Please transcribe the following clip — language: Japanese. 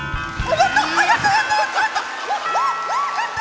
やった！